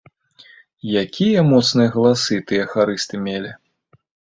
Якія моцныя галасы тыя харысты мелі!